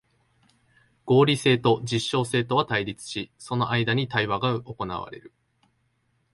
合理性と実証性とは対立し、その間に対話が行われる。